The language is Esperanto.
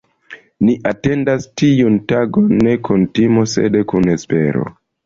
Ni atendas tiun tagon ne kun timo, sed kun espero.